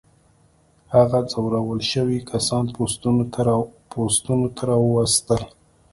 هغه ځورول شوي کسان پوستونو ته راوستل.